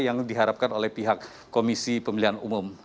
yang diharapkan oleh pihak komisi pemilihan umum